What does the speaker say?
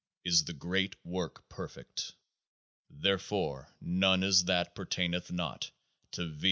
is the Great Work perfect. Therefore none is that pertaineth not to V. V.